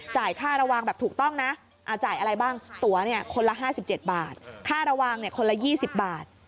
ค่าระวังแบบถูกต้องนะจ่ายอะไรบ้างตัวเนี่ยคนละ๕๗บาทค่าระวังคนละ๒๐บาท